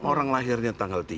orang lahirnya tanggal tiga